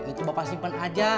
itu bapak simpen aja